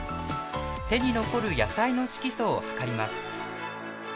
手に残る野菜の色素を測ります。